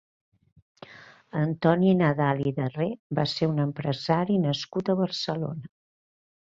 Antoni Nadal i Darrer va ser un empresari nascut a Barcelona.